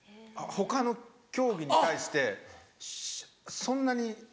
他の競技に対してそんなに。